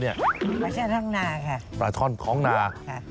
แม่เล็กครับ